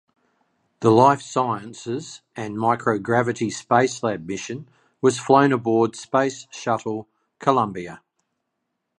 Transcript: The Life Sciences and Microgravity Spacelab mission was flown aboard Space Shuttle "Columbia".